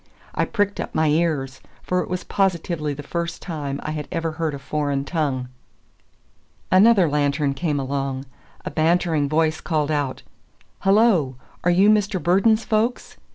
I pricked up my ears, for it was positively the first time I had ever heard a foreign tongue. Another lantern came along. A bantering voice called out: "Hello, are you Mr. Burden's folks?